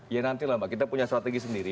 ya nanti lah mbak kita punya strategi sendiri